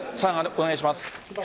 お願いします。